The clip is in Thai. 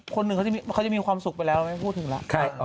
คนหนึ่งเขาจะมีความสุขไปแล้วไม่พูดถึงแล้ว